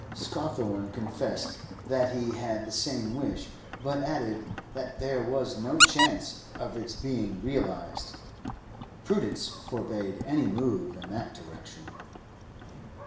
Scawthorne confessed that he had the same wish, but added that there was no chance of its being realised; prudence forbade any move in that direction.